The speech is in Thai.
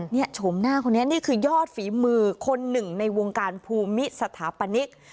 นี่โฉมหน้าคนนี้นี่คือยอดฝีมือคนหนึ่งในวงการภูมิสถาปนิก